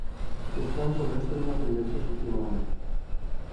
Els plans dolents tenen la tendència a sortir malament.